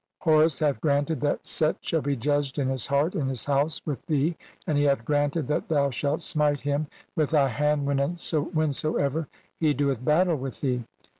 Horus hath granted that "Set shall be judged in his heart in his house with "thee, and he hath granted that thou shalt smite him "with thy hand whensoever he doeth battle with thee.